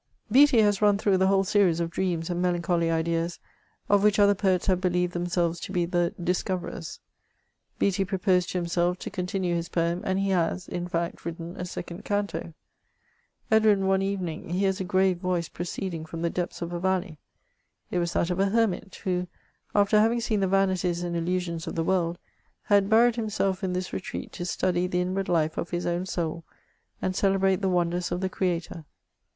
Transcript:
Beattie has run through the whole series of dreams and melancholy ideas, of which other poets have believed themselves to be the discoverers. Beattie proposed to himself to continue his poem, and he has, in fact, written a second canto : Eldwin one evening hears a grave voice proceeding from the depths of a valley ; it was that of a hermit, who, after having seen the vanities and illusions of the world, had buried himself in this retreat to study the inward life of his own soul, and celebrate the wonders of the Creator.